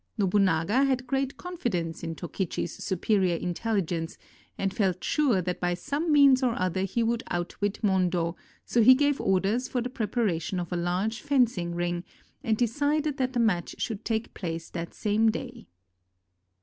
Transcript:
Nobunaga had great confidence in Tokichi's superior intelligence and felt sure that by some means or other he would outwit Mondo, so he gave orders for the preparation of a large fencing ring, and decided that the match should take place that same day.